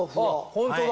ホントだ。